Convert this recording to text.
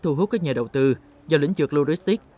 thu hút các nhà đầu tư và lĩnh vực loristik